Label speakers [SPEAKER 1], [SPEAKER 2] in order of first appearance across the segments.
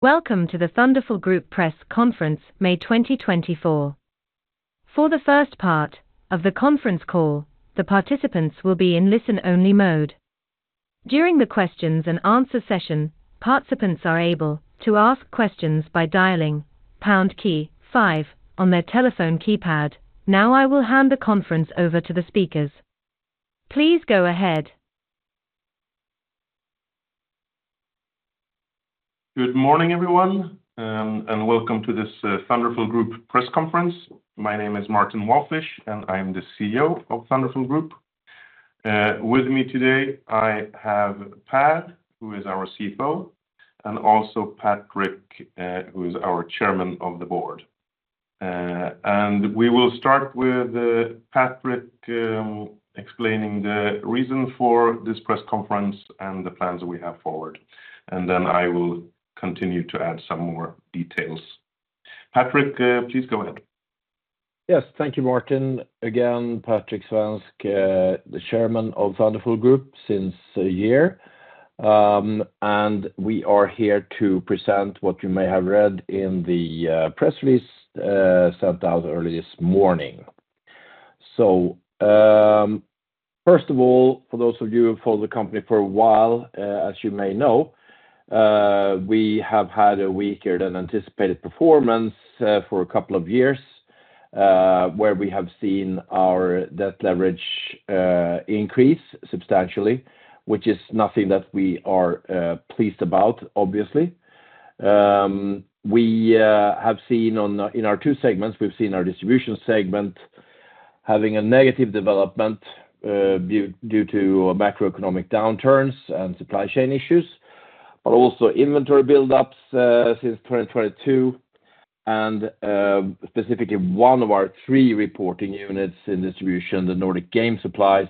[SPEAKER 1] Welcome to the Thunderful Group press conference May 2024. For the first part of the conference call, the participants will be in listen-only mode. During the questions-and-answer session, participants are able to ask questions by dialing pound key five on their telephone keypad. Now, I will hand the conference over to the speakers. Please go ahead.
[SPEAKER 2] Good morning, everyone, and welcome to this, Thunderful Group press conference. My name is Martin Walfisz, and I am the CEO of Thunderful Group. With me today, I have Per, who is our CFO, and also Patrick, who is our Chairman of the Board. And we will start with, Patrick, explaining the reason for this press conference and the plans we have forward, and then I will continue to add some more details. Patrick, please go ahead.
[SPEAKER 3] Yes, thank you, Martin. Again, Patrick Svensk, the Chairman of Thunderful Group since a year. And we are here to present what you may have read in the, press release, sent out early this morning. So first of all, for those of you who followed the company for a while, as you may know, we have had a weaker than anticipated performance, for a couple of years, where we have seen our debt leverage, increase substantially, which is nothing that we are, pleased about, obviously. We have seen in our two segments, we've seen our distribution segment having a negative development, due to macroeconomic downturns and supply chain issues, but also inventory buildups, since 2022, and specifically one of our three reporting units in distribution, the Nordic Game Supply,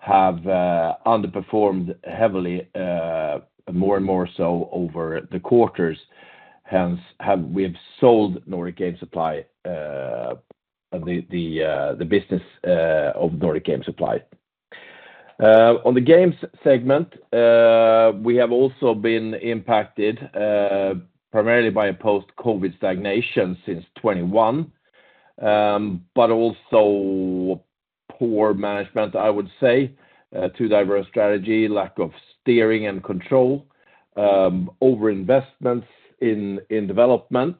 [SPEAKER 3] have underperformed heavily, more and more so over the quarters, hence, we have sold Nordic Game Supply, the business of Nordic Game Supply. On the games segment, we have also been impacted, primarily by a post-COVID stagnation since 2021, but also poor management, I would say, too diverse strategy, lack of steering and control, over investments in development,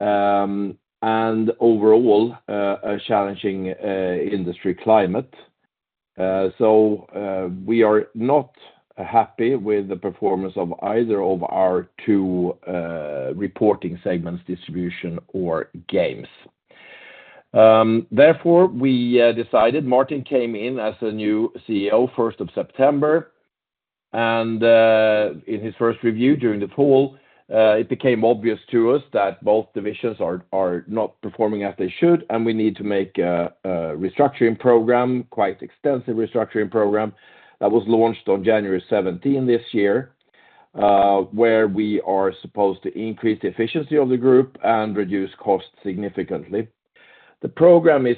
[SPEAKER 3] and overall, a challenging industry climate. We are not happy with the performance of either of our two reporting segments, distribution or games. Therefore, we decided Martin came in as a new CEO, first of September, and in his first review during the fall, it became obvious to us that both divisions are not performing as they should, and we need to make a restructuring program, quite extensive restructuring program, that was launched on January 17 this year, where we are supposed to increase the efficiency of the group and reduce costs significantly. The program is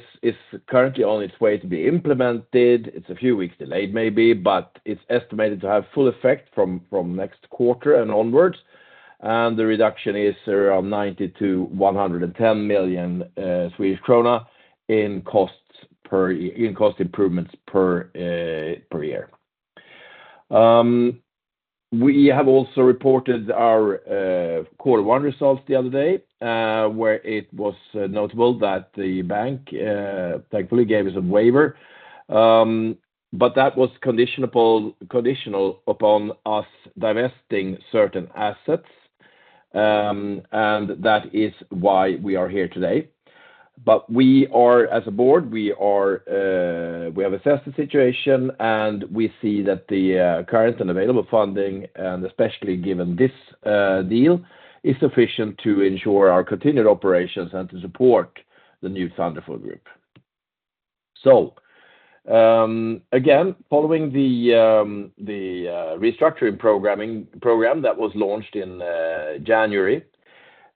[SPEAKER 3] currently on its way to be implemented. It's a few weeks delayed, maybe, but it's estimated to have full effect from next quarter and onwards, and the reduction is around 90 million-110 million Swedish krona in cost improvements per year. We have also reported our quarter one results the other day, where it was notable that the bank, thankfully, gave us a waiver, but that was conditional upon us divesting certain assets, and that is why we are here today. But we are, as a Board, we have assessed the situation, and we see that the current and available funding, and especially given this deal, is sufficient to ensure our continued operations and to support the new Thunderful Group. So, again, following the restructuring program that was launched in January,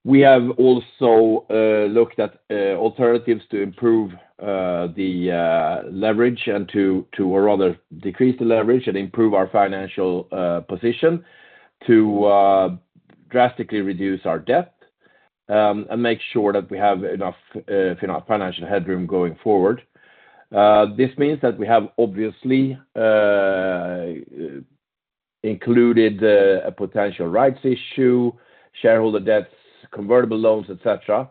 [SPEAKER 3] we have also looked at alternatives to improve the leverage and to rather decrease the leverage and improve our financial position to drastically reduce our debt, and make sure that we have enough, you know, financial headroom going forward. This means that we have obviously included a potential rights issue, shareholder debts, convertible loans, et cetera,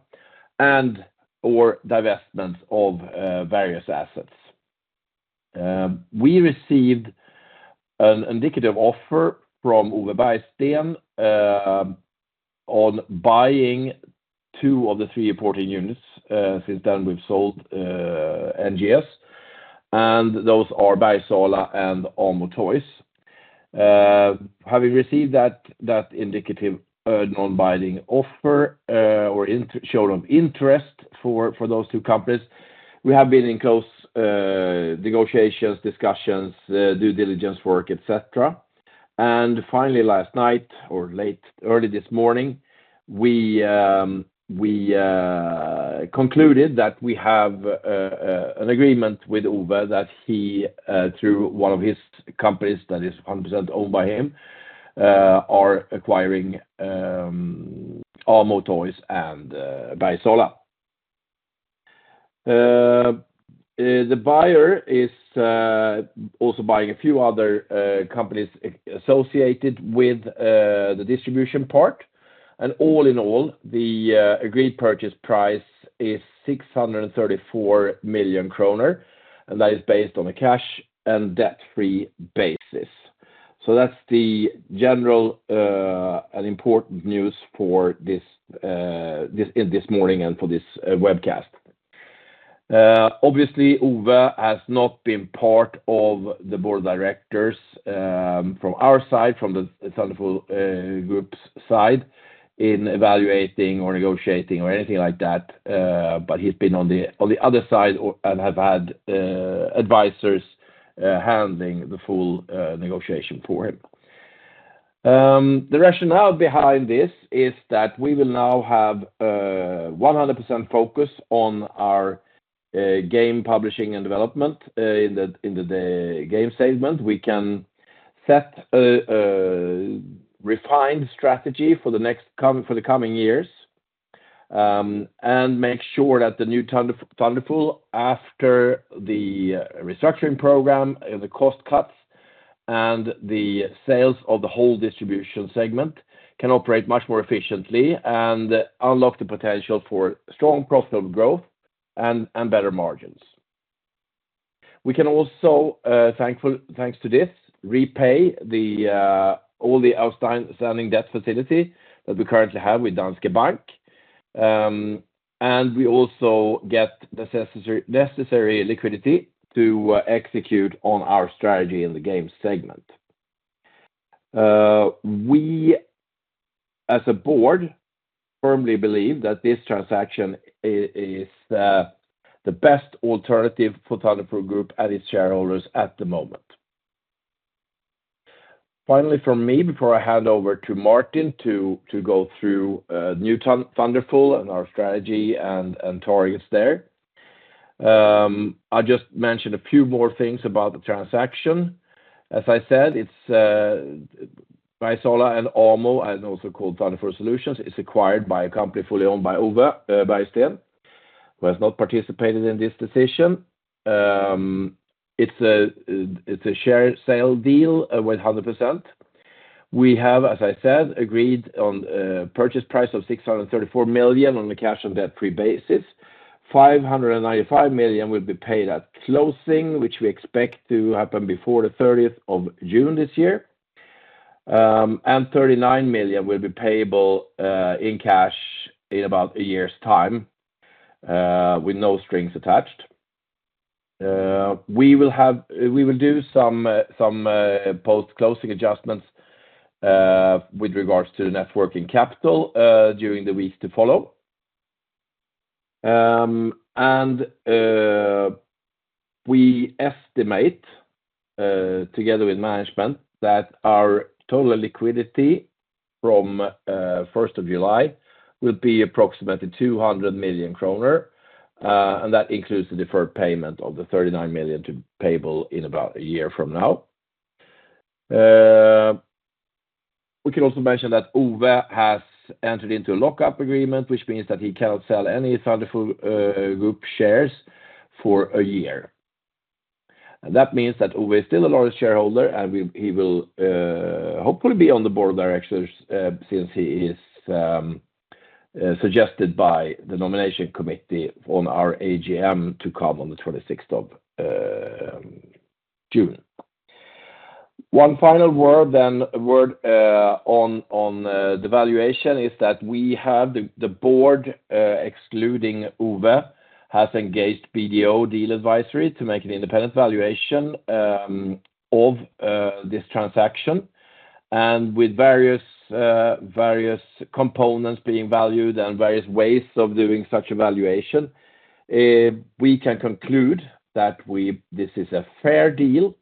[SPEAKER 3] and/or divestments of various assets. We received an indicative offer from Owe Bergsten on buying two of the three reporting units. Since then, we've sold NGS, and those are Bergsala and Amo Toys. Having received that indicative non-binding offer or show of interest for those two companies, we have been in close negotiations, discussions, due diligence work, et cetera. And finally, last night or early this morning. We concluded that we have an agreement with Owe, that he through one of his companies that is 100% owned by him are acquiring our Amo Toys and Bergsala. The buyer is also buying a few other companies associated with the distribution part. And all in all, the agreed purchase price is 634 million kronor, and that is based on a cash and debt-free basis. So that's the general and important news for this morning and for this webcast. Obviously, Owe has not been part of the Board of Directors from our side, from the Thunderful Group's side, in evaluating or negotiating or anything like that, but he's been on the other side and have had advisors handling the full negotiation for him. The rationale behind this is that we will now have 100% focus on our game publishing and development in the game segment. We can set a refined strategy for the coming years and make sure that the new Thunderful, after the restructuring program, the cost cuts, and the sales of the whole distribution segment, can operate much more efficiently and unlock the potential for strong profitable growth and better margins. We can also, thanks to this, repay all the outstanding debt facility that we currently have with Danske Bank. And we also get the necessary liquidity to execute on our strategy in the game segment. We, as a Board, firmly believe that this transaction is the best alternative for Thunderful Group and its shareholders at the moment. Finally, from me, before I hand over to Martin to go through new Thunderful and our strategy and targets there, I'll just mention a few more things about the transaction. As I said, it's Bergsala and Amo, and also called Thunderful Solutions, is acquired by a company fully owned by Owe Bergsten, who has not participated in this decision. It's a share sale deal with 100%. We have, as I said, agreed on a purchase price of 634 million on a cash and debt-free basis. 595 million will be paid at closing, which we expect to happen before the 30th of June this year. 39 million will be payable in cash in about a year's time with no strings attached. We will do some post-closing adjustments with regards to the net working capital during the weeks to follow. We estimate together with management that our total liquidity from first of July will be approximately 200 million kronor and that includes the deferred payment of the 39 million to be payable in about a year from now. We can also mention that Owe has entered into a lockup agreement, which means that he cannot sell any Thunderful Group shares for a year. And that means that Owe is still a large shareholder, and he will hopefully be on the Board of Directors, since he is suggested by the Nomination Committee on our AGM to come on the 26th of June. One final word on the valuation is that we have the Board excluding Owe has engaged BDO Deal Advisory to make an independent valuation of this transaction. And with various components being valued and various ways of doing such evaluation, we can conclude that this is a fair deal,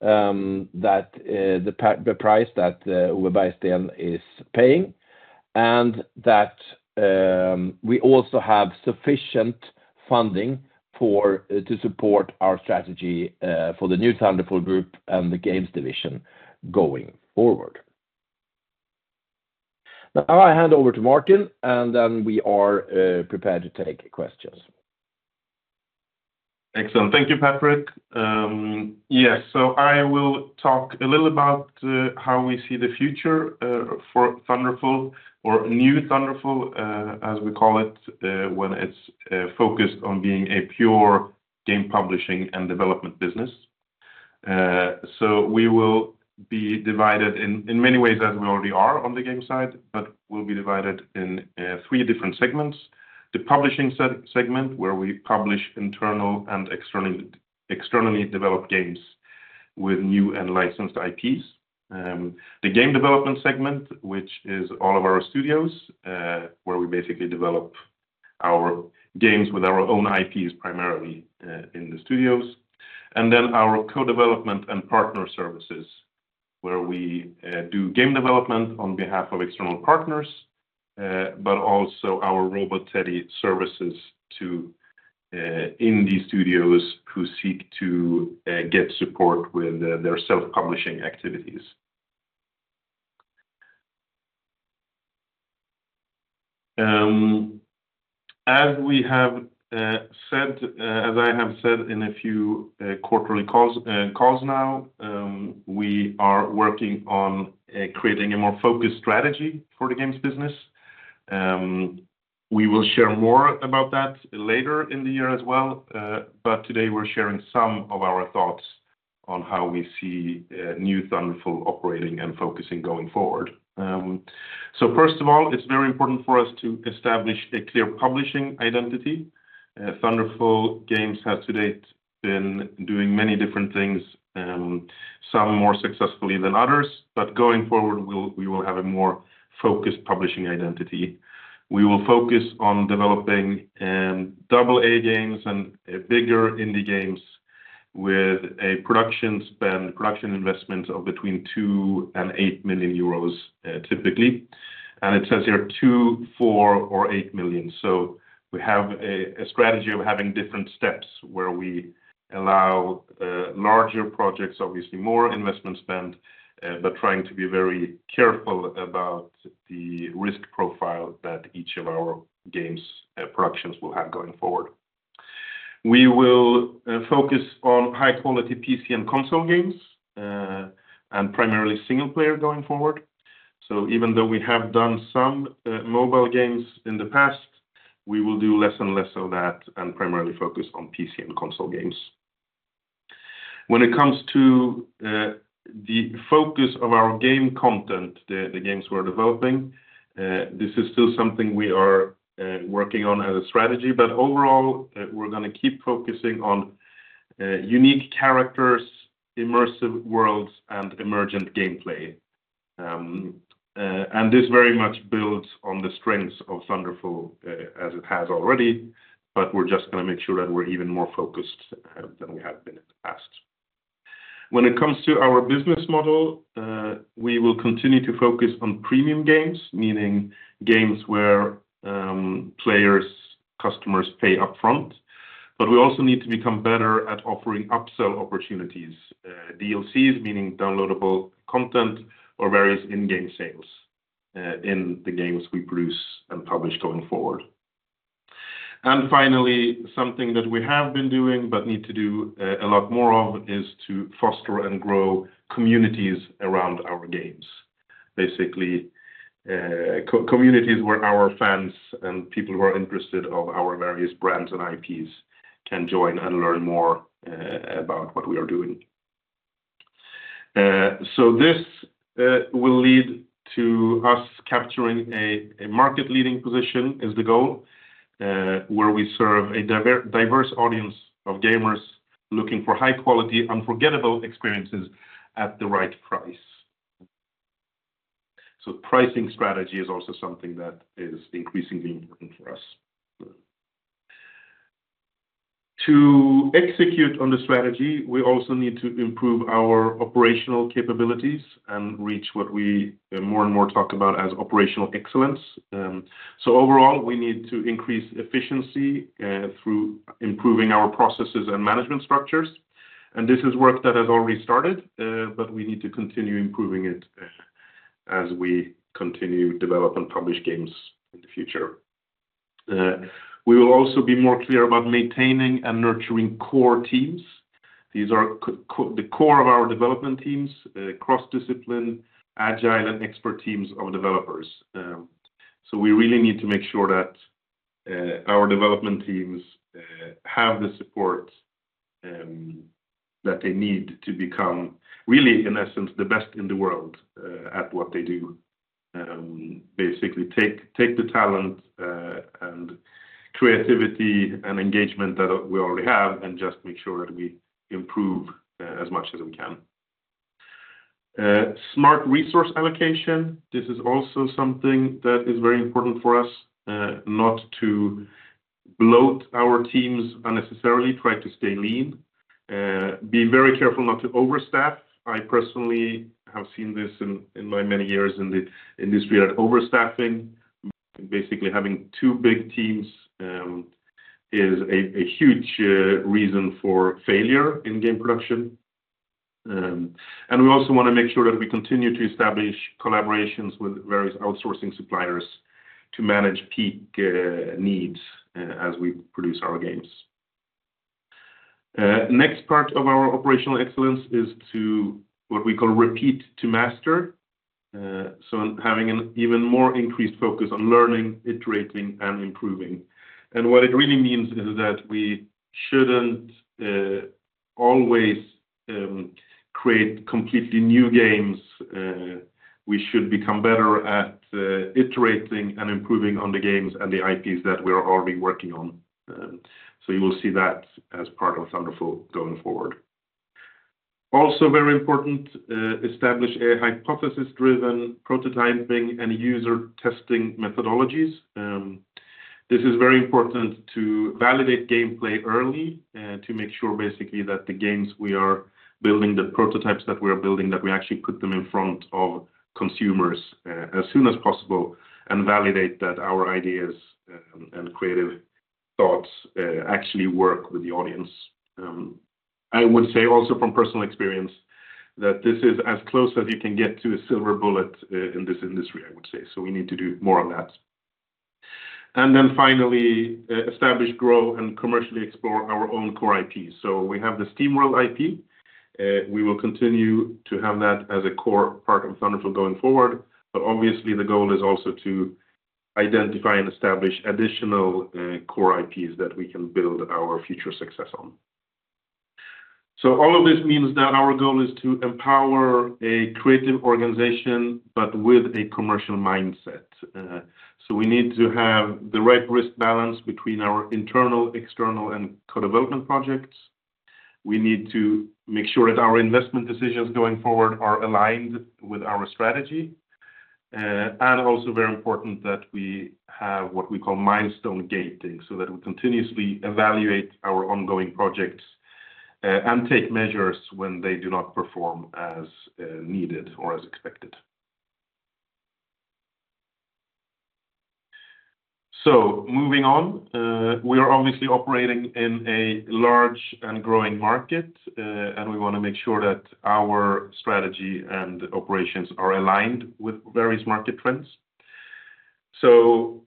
[SPEAKER 3] that the price that Owe Bergsten is paying, and that we also have sufficient funding for to support our strategy for the new Thunderful Group and the games division going forward. Now, I hand over to Martin, and then we are prepared to take questions.
[SPEAKER 2] Excellent. Thank you, Patrick. Yes, so I will talk a little about how we see the future for Thunderful, or new Thunderful, as we call it, when it's focused on being a pure game publishing and development business. So we will be divided in, in many ways, as we already are on the game side, but we'll be divided in three different segments. The publishing segment, where we publish internal and externally, externally developed games with new and licensed IPs. The game development segment, which is all of our studios, where we basically develop our games with our own IPs, primarily, in the studios. Then our co-development and partner services, where we do game development on behalf of external partners, but also our Robot Teddy services to indie studios who seek to get support with their self-publishing activities. As we have said, as I have said in a few quarterly calls now, we are working on creating a more focused strategy for the games business. We will share more about that later in the year as well, but today we're sharing some of our thoughts on how we see new Thunderful operating and focusing going forward. So first of all, it's very important for us to establish a clear publishing identity. Thunderful Games has to date been doing many different things, some more successfully than others, but going forward, we will have a more focused publishing identity. We will focus on developing AA games and bigger indie games with a production spend, production investment of between 2 million and 8 million euros, typically, and it says here 2, 4, or 8 million. So we have a strategy of having different steps where we allow larger projects, obviously more investment spend, but trying to be very careful about the risk profile that each of our games productions will have going forward. We will focus on high-quality PC and console games, and primarily single-player going forward. So even though we have done some mobile games in the past, we will do less and less of that, and primarily focus on PC and console games. When it comes to the focus of our game content, the games we're developing, this is still something we are working on as a strategy, but overall, we're gonna keep focusing on unique characters, immersive worlds, and emergent gameplay. And this very much builds on the strengths of Thunderful, as it has already, but we're just gonna make sure that we're even more focused than we have been in the past. When it comes to our business model, we will continue to focus on premium games, meaning games where players, customers pay upfront, but we also need to become better at offering upsell opportunities, DLCs, meaning downloadable content or various in-game sales, in the games we produce and publish going forward. Finally, something that we have been doing but need to do a lot more of is to foster and grow communities around our games. Basically, communities where our fans and people who are interested in our various brands and IPs can join and learn more about what we are doing. So this will lead to us capturing a market-leading position, is the goal, where we serve a diverse audience of gamers looking for high quality, unforgettable experiences at the right price. Pricing strategy is also something that is increasingly important for us. To execute on the strategy, we also need to improve our operational capabilities and reach what we more and more talk about as operational excellence. So overall, we need to increase efficiency through improving our processes and management structures. This is work that has already started, but we need to continue improving it as we continue to develop and publish games in the future. We will also be more clear about maintaining and nurturing core teams. These are the core of our development teams, cross-discipline, agile, and expert teams of developers. We really need to make sure that our development teams have the support that they need to become really, in essence, the best in the world at what they do. Basically, take, take the talent, and creativity and engagement that we already have, and just make sure that we improve, as much as we can. Smart resource allocation, this is also something that is very important for us, not to bloat our teams unnecessarily, try to stay lean, be very careful not to overstaff. I personally have seen this in, in my many years in the industry, that overstaffing, basically having two big teams, is a, a huge, reason for failure in game production. And we also want to make sure that we continue to establish collaborations with various outsourcing suppliers to manage peak, needs, as we produce our games. Next part of our operational excellence is to, what we call repeat to master, so having an even more increased focus on learning, iterating, and improving. And what it really means is that we shouldn't always create completely new games. We should become better at iterating and improving on the games and the IPs that we are already working on. So you will see that as part of Thunderful going forward. Also very important, establish a hypothesis-driven prototyping and user testing methodologies. This is very important to validate gameplay early, and to make sure basically that the games we are building, the prototypes that we are building, that we actually put them in front of consumers as soon as possible, and validate that our ideas and, and creative thoughts actually work with the audience. I would say also from personal experience, that this is as close as you can get to a silver bullet in this industry, I would say. So we need to do more on that. And then finally, establish, grow, and commercially explore our own core IP. So we have the SteamWorld IP, we will continue to have that as a core part of Thunderful going forward, but obviously, the goal is also to identify and establish additional, core IPs that we can build our future success on. So all of this means that our goal is to empower a creative organization, but with a commercial mindset. So we need to have the right risk balance between our internal, external, and co-development projects. We need to make sure that our investment decisions going forward are aligned with our strategy, and also very important, that we have what we call milestone gating, so that we continuously evaluate our ongoing projects, and take measures when they do not perform as needed or as expected. So moving on, we are obviously operating in a large and growing market, and we want to make sure that our strategy and operations are aligned with various market trends. So,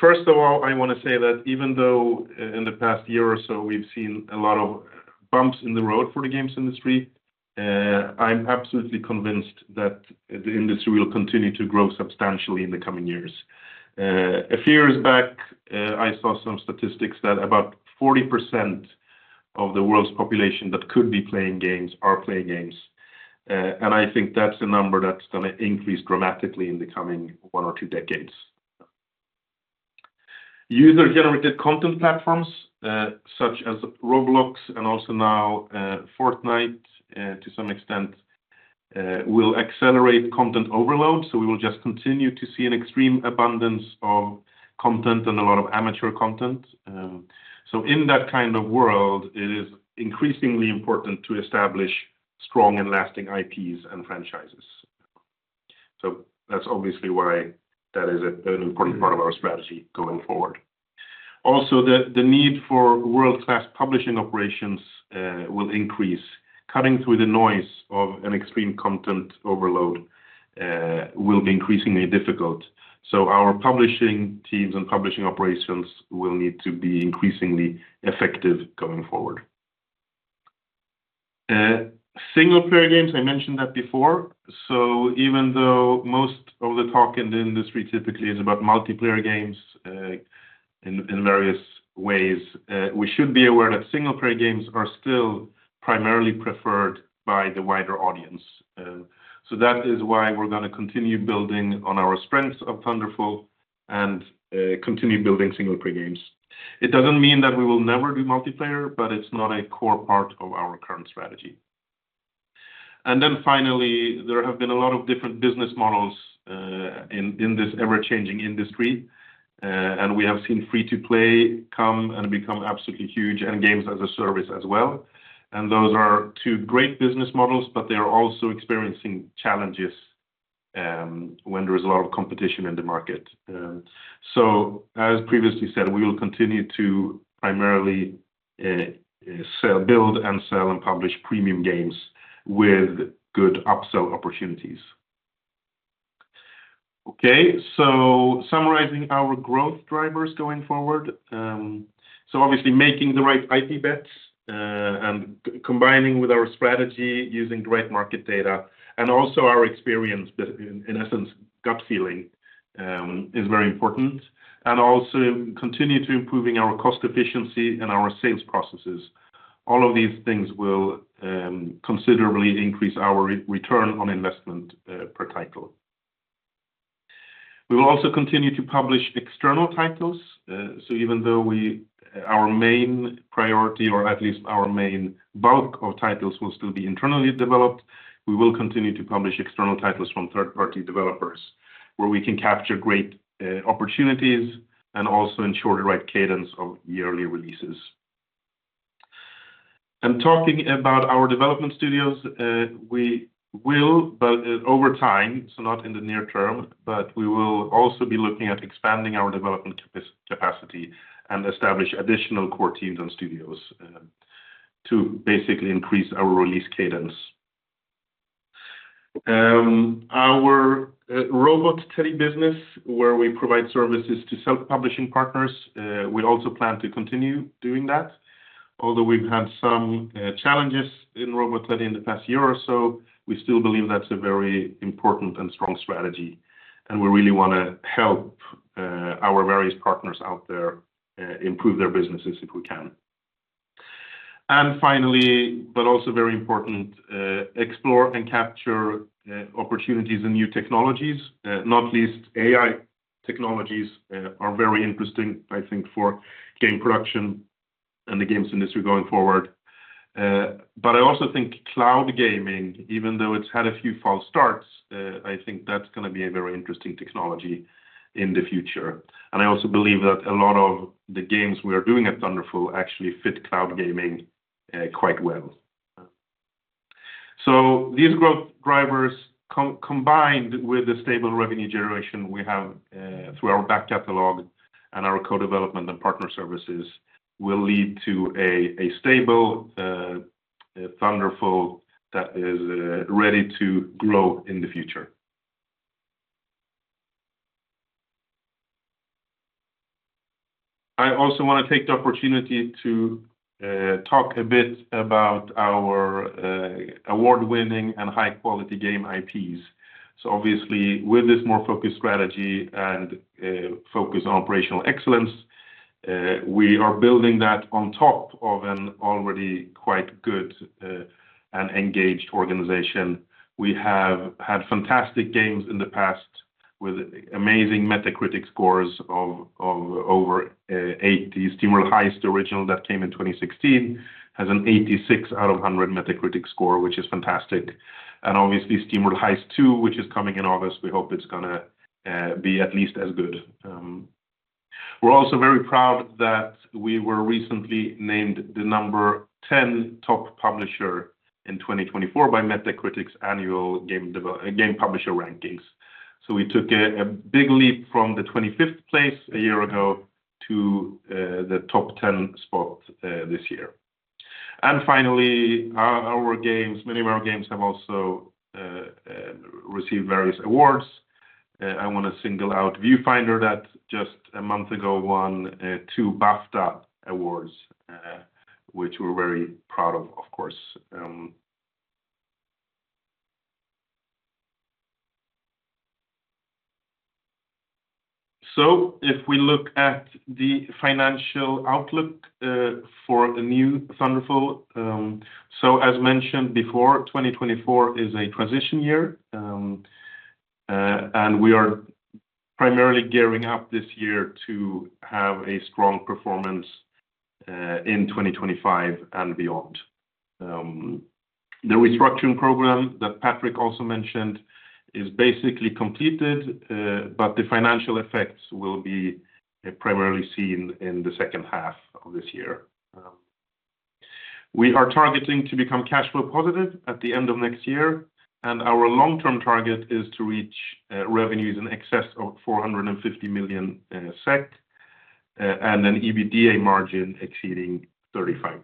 [SPEAKER 2] first of all, I want to say that even though in the past year or so, we've seen a lot of bumps in the road for the games industry, I'm absolutely convinced that the industry will continue to grow substantially in the coming years. A few years back, I saw some statistics that about 40% of the world's population that could be playing games are playing games. I think that's a number that's going to increase dramatically in the coming one or two decades. User-generated content platforms, such as Roblox and also now Fortnite, to some extent, will accelerate content overload, so we will just continue to see an extreme abundance of content and a lot of amateur content. In that kind of world, it is increasingly important to establish strong and lasting IPs and franchises. That's obviously why that is an important part of our strategy going forward. Also, the need for world-class publishing operations will increase. Cutting through the noise of an extreme content overload will be increasingly difficult. Our publishing teams and publishing operations will need to be increasingly effective going forward. Single-player games, I mentioned that before. So even though most of the talk in the industry typically is about multiplayer games, in various ways, we should be aware that single-player games are still primarily preferred by the wider audience. So that is why we're going to continue building on our strengths of Thunderful and continue building single-player games. It doesn't mean that we will never do multiplayer, but it's not a core part of our current strategy. Then finally, there have been a lot of different business models, in this ever-changing industry, and we have seen free-to-play come and become absolutely huge, and games as a service as well. Those are two great business models, but they are also experiencing challenges when there is a lot of competition in the market. So as previously said, we will continue to primarily sell, build and sell, and publish premium games with good upsell opportunities. Okay, so summarizing our growth drivers going forward. So obviously, making the right IP bets and combining with our strategy, using great market data, and also our experience, but in essence, gut feeling is very important. And also continue to improving our cost efficiency and our sales processes. All of these things will considerably increase our return on investment per title. We will also continue to publish external titles. So even though we—our main priority, or at least our main bulk of titles, will still be internally developed, we will continue to publish external titles from third-party developers, where we can capture great opportunities and also ensure the right cadence of yearly releases. And talking about our development studios, we will over time, so not in the near term, but we will also be looking at expanding our development capacity and establish additional core teams and studios to basically increase our release cadence. Our Robot Teddy business, where we provide services to self-publishing partners, we also plan to continue doing that. Although we've had some challenges in Robot Teddy in the past year or so, we still believe that's a very important and strong strategy, and we really want to help our various partners out there improve their businesses if we can. And finally, but also very important, explore and capture opportunities and new technologies, not least AI technologies, are very interesting, I think, for game production and the games industry going forward. But I also think cloud gaming, even though it's had a few false starts, I think that's gonna be a very interesting technology in the future. And I also believe that a lot of the games we are doing at Thunderful actually fit cloud gaming quite well. So these growth drivers combined with the stable revenue generation we have through our back catalog and our co-development and partner services will lead to a stable Thunderful that is ready to grow in the future. I also want to take the opportunity to talk a bit about our award-winning and high-quality game IPs. So obviously, with this more focused strategy and focus on operational excellence, we are building that on top of an already quite good and engaged organization. We have had fantastic games in the past with amazing Metacritic scores of over 80. SteamWorld Heist, the original that came in 2016, has an 86 out of 100 Metacritic score, which is fantastic. And obviously, SteamWorld Heist II, which is coming in August, we hope it's gonna be at least as good. We're also very proud that we were recently named the number 10 top publisher in 2024 by Metacritic's Annual Game Publisher Rankings. So we took a big leap from the 25th place a year ago to the top 10 spot this year. And finally, our games, many of our games have also received various awards. I want to single out Viewfinder that just a month ago won two BAFTA awards, which we're very proud of, of course. So if we look at the financial outlook for the new Thunderful, so as mentioned before, 2024 is a transition year. And we are primarily gearing up this year to have a strong performance in 2025 and beyond. The restructuring program that Patrick also mentioned is basically completed, but the financial effects will be primarily seen in the second half of this year. We are targeting to become cash flow positive at the end of next year, and our long-term target is to reach revenues in excess of 450 million SEK, and an EBITDA margin exceeding 35%.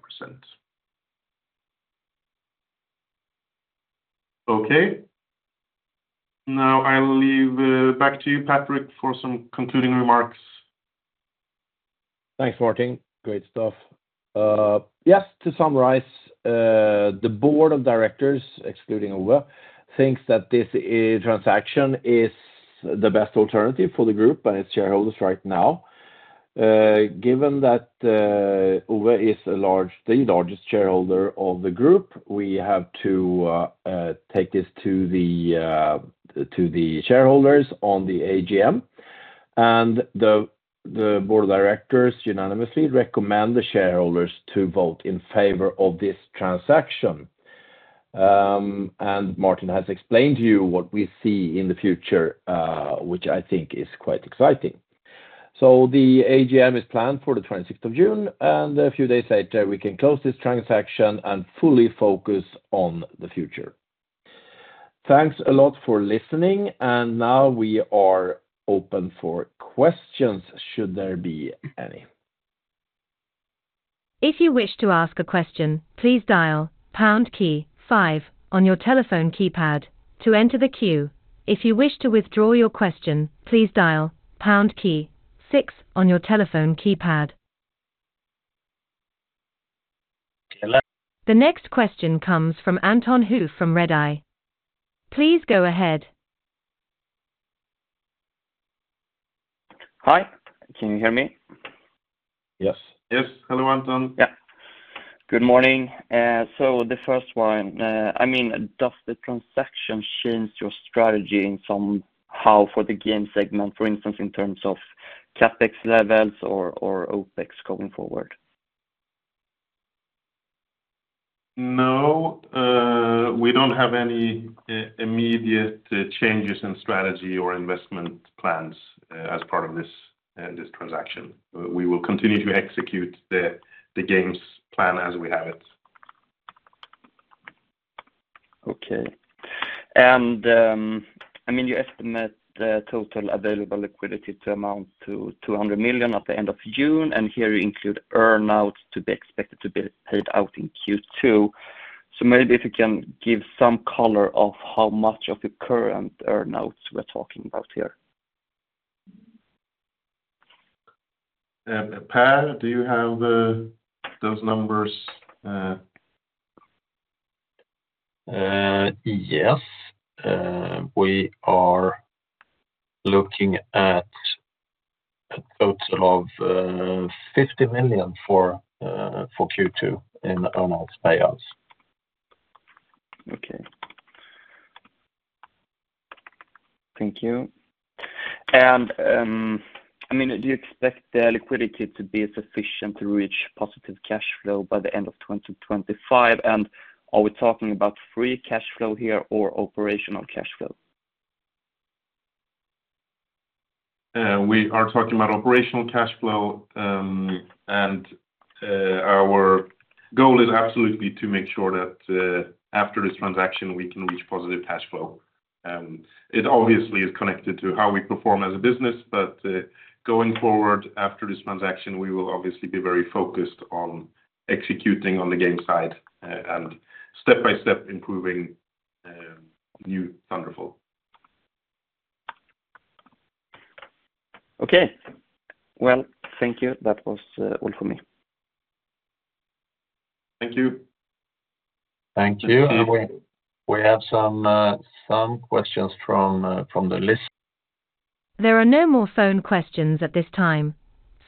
[SPEAKER 2] Okay. Now, I'll leave back to you, Patrick, for some concluding remarks.
[SPEAKER 3] Thanks, Martin. Great stuff. Yes, to summarize, the Board of Directors, excluding Owe, thinks that this transaction is the best alternative for the group and its shareholders right now. Given that Owe is the largest shareholder of the group, we have to take this to the shareholders on the AGM, and the Board of Directors unanimously recommend the shareholders to vote in favor of this transaction. And Martin has explained to you what we see in the future, which I think is quite exciting. So the AGM is planned for the 26th of June, and a few days later, we can close this transaction and fully focus on the future. Thanks a lot for listening, and now we are open for questions, should there be any?
[SPEAKER 1] If you wish to ask a question, please dial pound key five on your telephone keypad to enter the queue. If you wish to withdraw your question, please dial pound key six on your telephone keypad.
[SPEAKER 4] Hello-
[SPEAKER 1] The next question comes from Anton Hoof from Redeye. Please go ahead.
[SPEAKER 4] Hi, can you hear me?
[SPEAKER 3] Yes.
[SPEAKER 2] Yes. Hello, Anton.
[SPEAKER 4] Yeah. Good morning. So the first one, I mean, does the transaction change your strategy in somehow for the game segment, for instance, in terms of CapEx levels or OpEx going forward?
[SPEAKER 2] No, we don't have any immediate changes in strategy or investment plans as part of this transaction. We will continue to execute the games plan as we have it.
[SPEAKER 4] Okay. And, I mean, you estimate the total available liquidity to amount to 200 million at the end of June, and here you include earn-outs to be expected to be paid out in Q2. So maybe if you can give some color of how much of the current earn-outs we're talking about here.
[SPEAKER 2] Per, do you have those numbers?
[SPEAKER 5] Yes. We are looking at a total of 50 million for Q2 in earn-outs payouts.
[SPEAKER 4] Ok, thank you. And, I mean, do you expect the liquidity to be sufficient to reach positive cash flow by the end of 2025? And are we talking about free cash flow here or operational cash flow?
[SPEAKER 2] We are talking about operational cash flow, and our goal is absolutely to make sure that, after this transaction, we can reach positive cash flow. It obviously is connected to how we perform as a business, but going forward, after this transaction, we will obviously be very focused on executing on the game side, and step-by-step improving new Thunderful.
[SPEAKER 4] Okay. Well, thank you. That was all for me.
[SPEAKER 2] Thank you.
[SPEAKER 5] Thank you. We have some questions from the list.
[SPEAKER 1] There are no more phone questions at this time,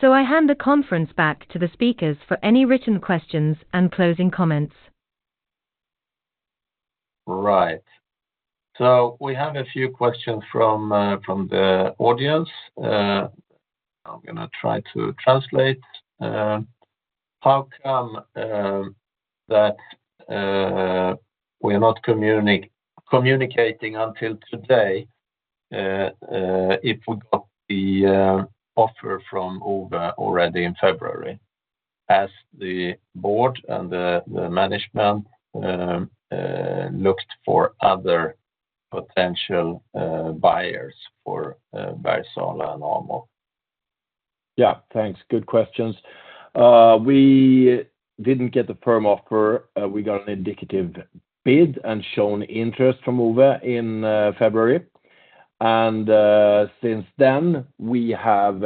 [SPEAKER 1] so I hand the conference back to the speakers for any written questions and closing comments.
[SPEAKER 5] Right. So we have a few questions from, from the audience. I'm gonna try to translate. How come that we are not communicating until today, if we got the offer from Owe already in February, as the Board and the management looked for other potential buyers for Bergsala and Amo?
[SPEAKER 3] Yeah, thanks. Good questions. We didn't get the firm offer. We got an indicative bid and shown interest from Owe in February. And since then, we have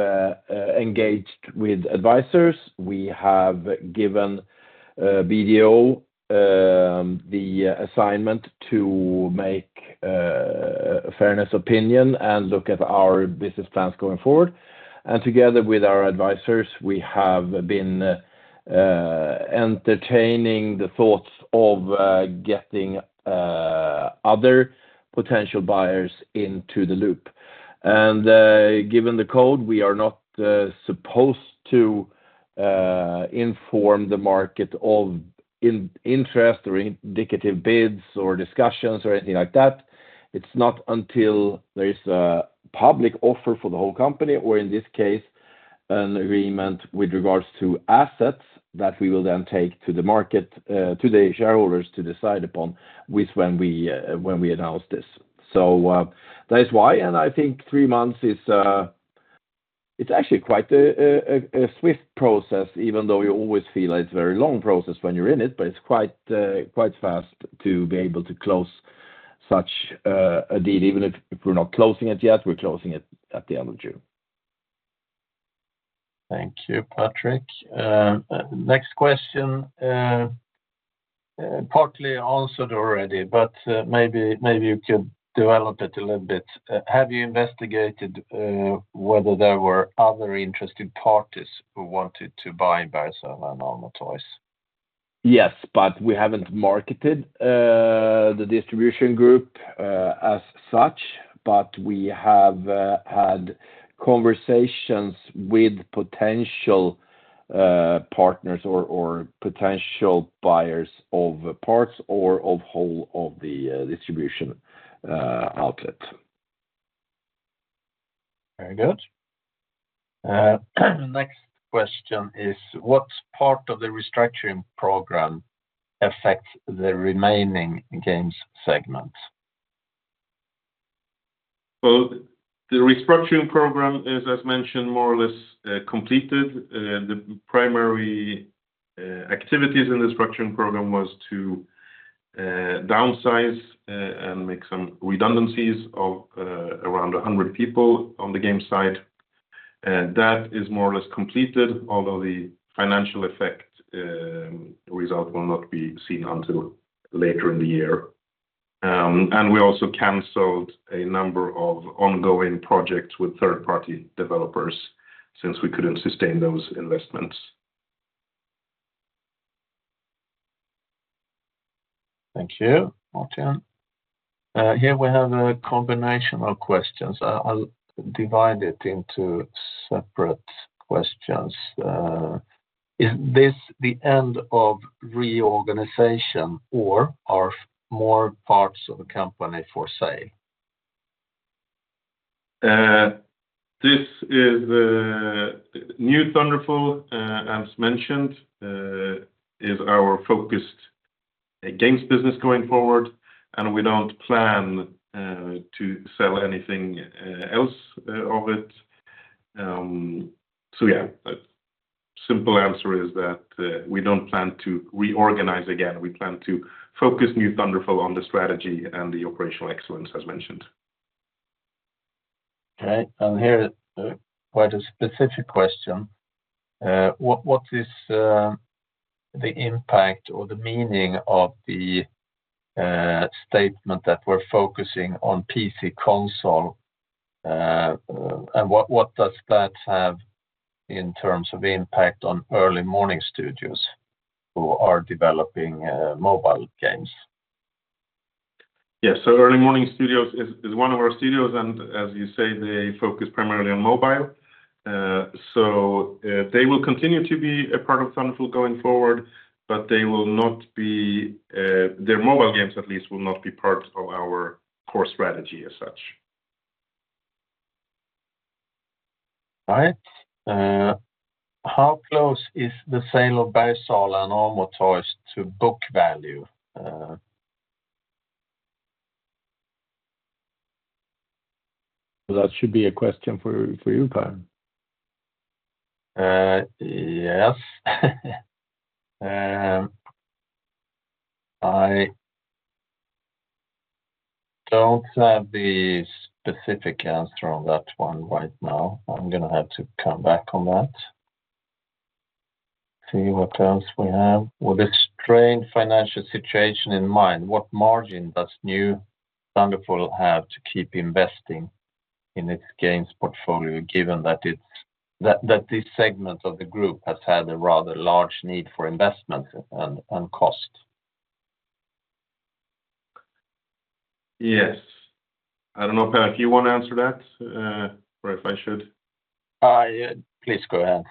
[SPEAKER 3] engaged with advisors. We have given BDO the assignment to make a fairness opinion and look at our business plans going forward. And together with our advisors, we have been entertaining the thoughts of getting other potential buyers into the loop. And given the code, we are not supposed to inform the market of in-interest or indicative bids or discussions or anything like that. It's not until there is a public offer for the whole company, or in this case, an agreement with regards to assets, that we will then take to the market, to the shareholders to decide upon, with when we announce this. So, that is why, and I think three months is, it's actually quite a swift process, even though you always feel it's a very long process when you're in it, but it's quite fast to be able to close such a deal, even if we're not closing it yet, we're closing it at the end of June.
[SPEAKER 5] Thank you, Patrick. Next question, partly answered already, but maybe, maybe you could develop it a little bit. Have you investigated whether there were other interested parties who wanted to buy Bergsala and Amo Toys?
[SPEAKER 3] Yes, but we haven't marketed the distribution group as such, but we have had conversations with potential partners or potential buyers of parts or of whole of the distribution outlet.
[SPEAKER 5] Very good. Next question is: What part of the restructuring program affects the remaining games segment?
[SPEAKER 2] Well, the restructuring program is, as mentioned, more or less, completed. The primary activities in the restructuring program was to downsize and make some redundancies of around 100 people on the game side. That is more or less completed, although the financial effect result will not be seen until later in the year. And we also canceled a number of ongoing projects with third-party developers, since we couldn't sustain those investments.
[SPEAKER 5] Thank you, Martin. Here we have a combination of questions. I, I'll divide it into separate questions. Is this the end of reorganization or are more parts of the company for sale?
[SPEAKER 2] This is new Thunderful, as mentioned, is our focused games business going forward, and we don't plan to sell anything else of it. So, yeah, a simple answer is that we don't plan to reorganize again. We plan to focus new Thunderful on the strategy and the operational excellence, as mentioned.
[SPEAKER 5] Okay, and here, quite a specific question. What is the impact or the meaning of the statement that we're focusing on PC console? And what does that have in terms of impact on Early Morning Studio who are developing mobile games?
[SPEAKER 2] Yes. So Early Morning Studio is one of our studios, and as you say, they focus primarily on mobile. They will continue to be a part of Thunderful going forward, but they will not be, their mobile games at least will not be part of our core strategy as such.
[SPEAKER 5] Right. How close is the sale of Bergsala and Amo Toys to book value?
[SPEAKER 3] That should be a question for you, Per.
[SPEAKER 5] Yes. I don't have the specific answer on that one right now. I'm gonna have to come back on that. See what else we have. With the strained financial situation in mind, what margin does new Thunderful have to keep investing in its games portfolio, given that it's this segment of the group has had a rather large need for investment and cost?
[SPEAKER 2] Yes. I don't know, Per, if you want to answer that, or if I should.
[SPEAKER 5] Please go ahead.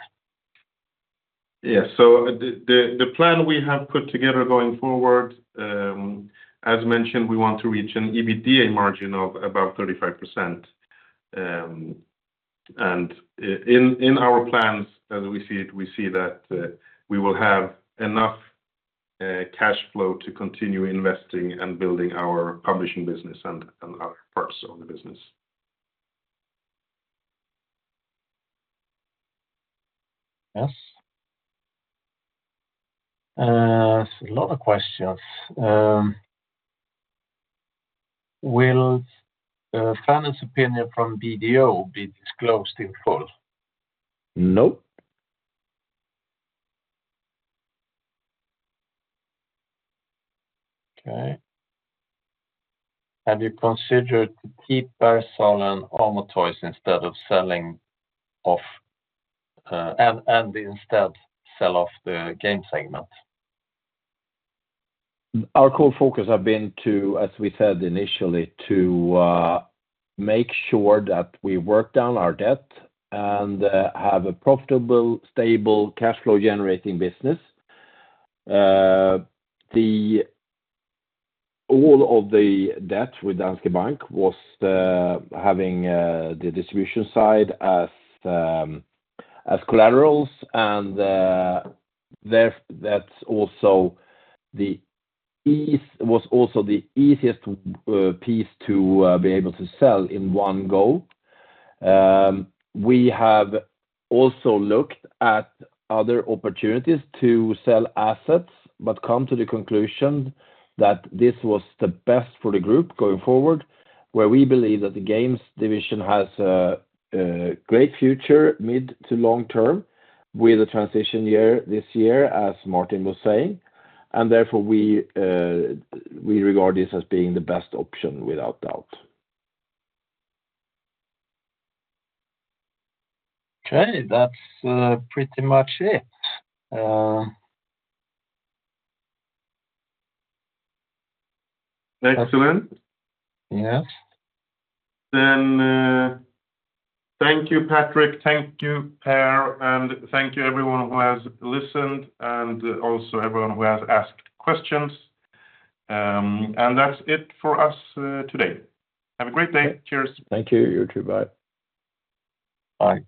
[SPEAKER 2] Yeah. So the plan we have put together going forward, as mentioned, we want to reach an EBITDA margin of about 35%. And in our plans, as we see it, we see that we will have enough cash flow to continue investing and building our publishing business and our parts on the business.
[SPEAKER 5] Yes. There's a lot of questions. Will fairness opinion from BDO be disclosed in full?
[SPEAKER 3] Nope.
[SPEAKER 5] Okay. Have you considered to keep Bergsala and Amo Toys instead of selling off, and instead sell off the game segment?
[SPEAKER 3] Our core focus have been to, as we said initially, make sure that we work down our debt and have a profitable, stable cash flow generating business. All of the debt with Danske Bank was having the distribution side as collaterals, and there, that's also the easiest piece to be able to sell in one go. We have also looked at other opportunities to sell assets, but come to the conclusion that this was the best for the group going forward, where we believe that the games division has a great future, mid to long term, with a transition year this year, as Martin was saying, and therefore we regard this as being the best option, without doubt.
[SPEAKER 5] Okay. That's pretty much it.
[SPEAKER 2] Excellent.
[SPEAKER 5] Yes.
[SPEAKER 2] Thank you, Patrick, thank you, Per, and thank you everyone who has listened, and also everyone who has asked questions. That's it for us, today. Have a great day. Cheers.
[SPEAKER 5] Thank you. You too. Bye.
[SPEAKER 3] Bye.